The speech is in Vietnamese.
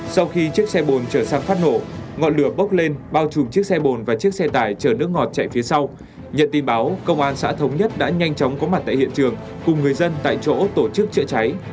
sau khi chiếc xe bồn trở sang phát nổ ngọn lửa bốc lên bao trùm chiếc xe bồn và chiếc xe tải chở nước ngọt chạy phía sau nhận tin báo công an xã thống nhất đã nhanh chóng có mặt tại hiện trường cùng người dân tại chỗ tổ chức chữa cháy